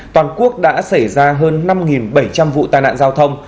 toàn quốc đã xảy ra hơn năm bảy trăm linh vụ tai nạn giao thông